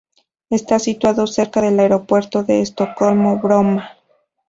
Está situado cerca del Aeropuerto de Estocolmo-Bromma.